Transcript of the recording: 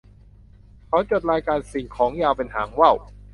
เขาจดรายการสิ่งของยาวเป็นหางว่าว